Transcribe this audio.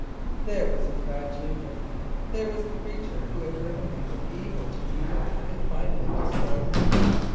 There was his bad genius, there was the creature who had driven him from evil to evil and finally destroyed him.